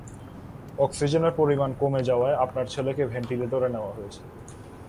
অক্সিজেনের পরিমাণ কমে যাওয়ায় আপনার ছেলেকে ভেন্টিলেটরে নেয়া হয়েছে।